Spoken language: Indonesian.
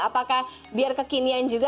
apakah biar kekinian juga